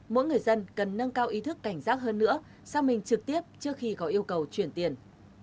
mỗi người dân cần nâng cao ý thức cảnh giác hơn nữa sang mình trực tiếp trước khi có yêu cầu chuyển tiền